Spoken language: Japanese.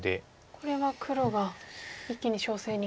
これは黒が一気に勝勢に。